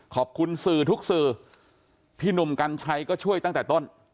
ขอบคุณสื่อทุกสื่อพี่หนุ่มกัญชัยก็ช่วยตั้งแต่ต้น